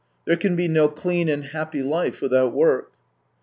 There can be no clean and happy life without work."